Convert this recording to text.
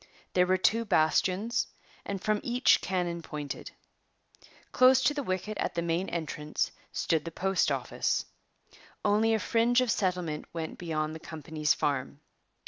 There were two bastions, and from each cannon pointed. Close to the wicket at the main entrance stood the postoffice. Only a fringe of settlement went beyond the company's farm.